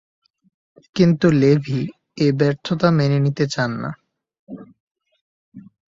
কিন্তু লেভি এ ব্যর্থতা মেনে নিতে চান না।